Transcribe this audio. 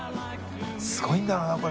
すごいんだろうなこれ。